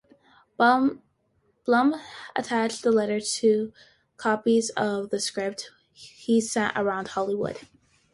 Blum attached the letter to copies of the script he sent around Hollywood.